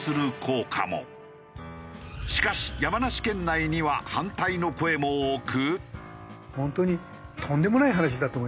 しかし山梨県内には反対の声も多く。